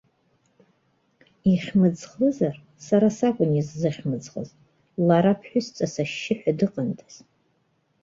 Ихьымӡӷызар, сара сакәын иззыхьымӡӷыз, лара, ԥҳәысҵас, ашьшьыҳәа дыҟандаз.